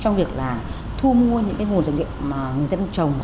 trong việc là thu mua những cái nguồn dược liệu mà người dân một chồng